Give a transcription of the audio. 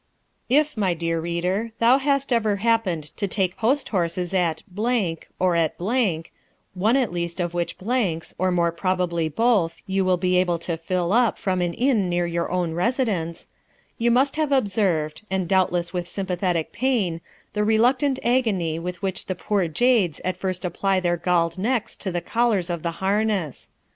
If, my dear reader, thou hast ever happened to take post horses at or at (one at least of which blanks, or more probably both, you will be able to fill up from an inn near your own residence), you must have observed, and doubtless with sympathetic pain, the reluctant agony with which the poor jades at first apply their galled necks to the collars of the harness.